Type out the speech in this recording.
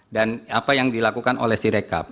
dan apa yang dilakukan oleh sirecap